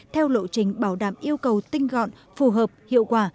theo lộ trình bảo đảm yêu cầu tinh gọn phù hợp hiệu quả